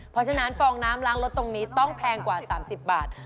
เพราะฉะนั้นฟองน้ำล้างรถตรงนี้ต้องแพงกว่า๓๐บาท